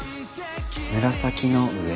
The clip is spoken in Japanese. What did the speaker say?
紫の上？